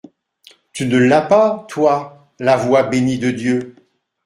Tu ne l'as pas, toi, la voix bénie de Dieu.